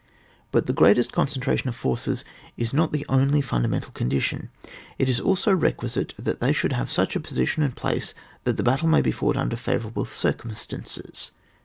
But the greatest concentration of forces is not the only fundamental condition ; it is also requisite that they should have such a position and place that the battle may be fought under favourable circum stances.